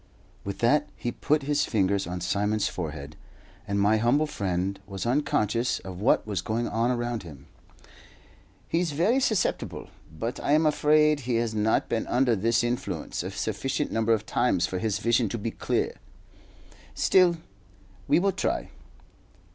With that he put his fingers on Simon's forehead, and my humble friend was unconscious of what was going on around him. "He's very susceptible; but I am afraid he has not been under this influence a sufficient number of times for his vision to be clear. Still, we'll try.